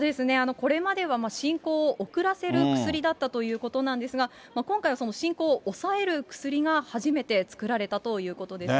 これまでは進行を遅らせる薬だったということなんですけれども、今回は進行を抑える薬が初めて作られたということですね。